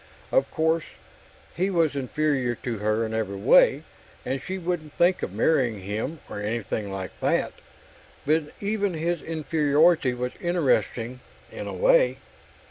Of course, he was inferior to her in every way, and she wouldn't think of marrying him or anything like that. But even his inferiority was interesting, in a way.